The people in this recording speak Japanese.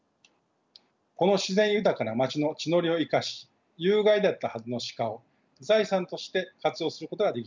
この自然豊かな町の地の利を生かし有害だったはずの鹿を財産として活用することができています。